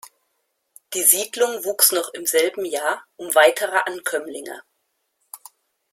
Die Siedlung wuchs noch im selben Jahr um weitere Ankömmlinge.